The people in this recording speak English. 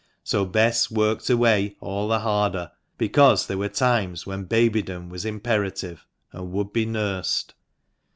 So Bess worked away all the harder, because there were times when babydom was imperative, and would be nursed.